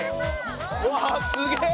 うわっすげえ。